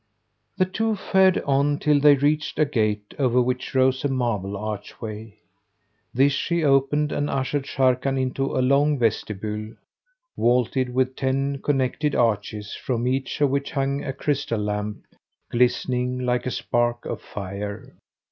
The two fared on till they reached a gate over which rose a marble archway. This she opened and ushered Sharrkan into a long vestibule, vaulted with ten connected arches, from each of which hung a crystal lamp glistening like a spark of fire.